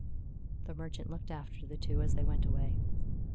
The merchant looked after the two as they went away.